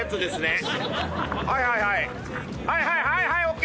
はいはいはいはいＯＫ